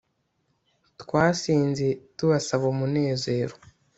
twasenze tubasaba umunezero